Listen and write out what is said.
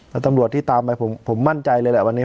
แต่ตำรวจที่ตามไปผมมั่นใจเลยแหละวันนี้